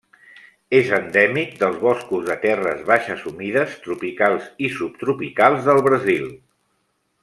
És endèmic dels boscos de terres baixes humides tropicals i subtropicals del Brasil.